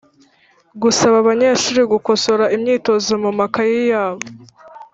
Gusaba abanyeshuri gukosora imyitozo mu makayi yabo